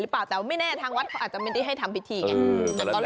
หรือเปล่าแต่ว่าไม่แน่ทางวัดเขาอาจจะไม่ได้ให้ทำพิธีไง